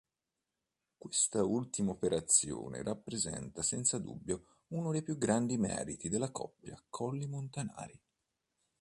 Questa ultima operazione rappresenta senza dubbio uno dei più grandi meriti della coppia Colli-Montinari.